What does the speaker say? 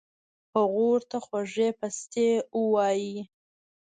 هغو ورته خوږې پستې اووائي